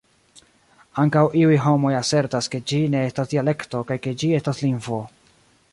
Ankaŭ iuj homoj asertas ke ĝi ne estas dialekto kaj ke ĝi estas lingvo.